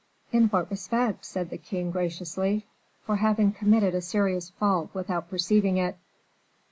"In what respect?" said the king, graciously. "For having committed a serious fault without perceiving it."